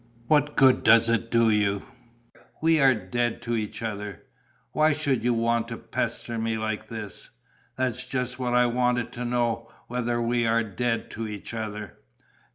What good does it do you? We are dead to each other. Why should you want to pester me like this?" "That's just what I wanted to know, whether we are dead to each other...."